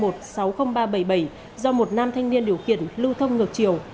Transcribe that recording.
do một nam thanh niên điều khiển lưu thông ngược chiều